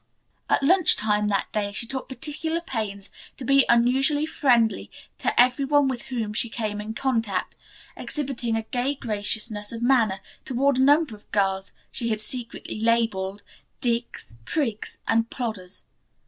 At luncheon that day she took particular pains to be unusually friendly to every one with whom she came in contact, exhibiting a gay graciousness of manner toward a number of girls she had secretly labeled, "digs, prigs and plodders."